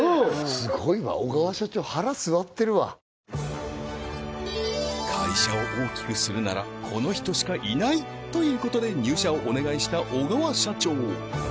すごいわ小川社長腹据わってるわ会社を大きくするならこの人しかいないということで入社をお願いした小川社長